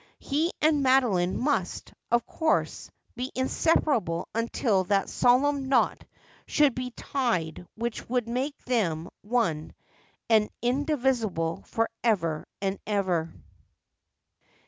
He and Madoline must, of course, be inseparable until that solemn knot should be tied which would make them one and indivisible for ever and ever.